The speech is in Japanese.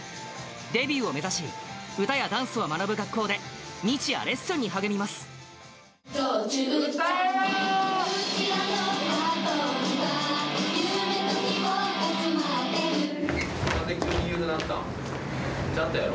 デビューを目指し、歌やダンスを学ぶ学校で、日夜、レッスンに励歌えよ！